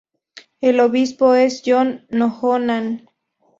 El obispo es John Noonan.